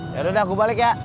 yaudah gue balik ya